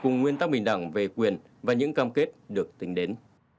cùng nguyên tắc bình đẳng về quyền và những cam kết được tính đến